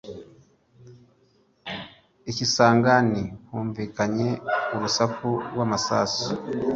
i Kisangani humvikanye urusaku rw’amasasu